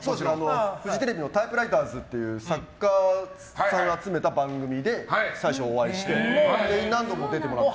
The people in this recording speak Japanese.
フジテレビの「タイプライターズ」っていう作家さんを集めた番組で最初お会いして何度も出てもらって。